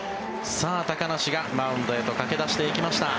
高梨がマウンドへと駆け出していきました。